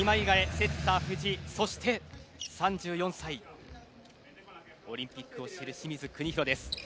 セッター、藤井そして、３４歳オリンピックを知る清水邦広です。